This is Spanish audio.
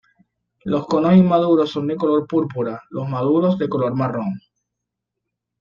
Los conos inmaduros son de color púrpura, los maduros de color marrón.